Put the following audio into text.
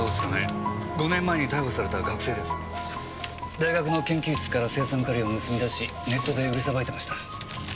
大学の研究室から青酸カリを盗み出しネットで売りさばいてました。